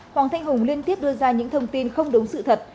hoàng thanh hùng liên tiếp đưa ra những thông tin không đúng sự thật